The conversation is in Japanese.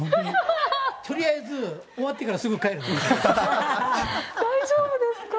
とりあえず終わってからすぐ大丈夫ですか？